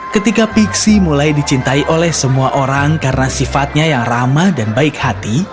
ketika pixie mulai dicintai oleh semua orang karena sifatnya yang ramah dan baik hati